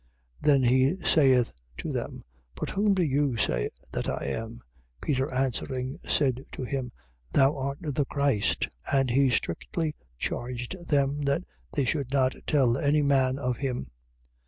8:29. Then he saith to them: But whom do you say that I am? Peter answering said to him: Thou art the Christ. 8:30. And he strictly charged them that they should not tell any man of him.